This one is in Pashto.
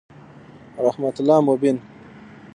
رحمت الله مبین